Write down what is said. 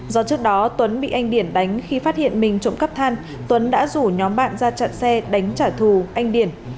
do trước đó tuấn bị anh điển đánh khi phát hiện mình trộm cắp than tuấn đã rủ nhóm bạn ra chặn xe đánh trả thù anh điển